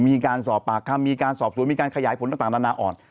มีการสอบปากคำมีการสอบสวนมีการขยายผลต่างนานาอ่อน